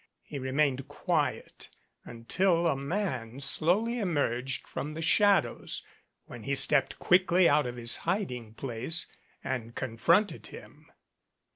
He remained quiet until a man slowly emerged from the shadows, when he stepped quickly out of his hiding place and confronted him.